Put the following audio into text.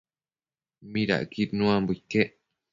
midacquid nuambo iquec?